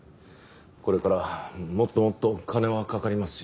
これからもっともっと金はかかりますし。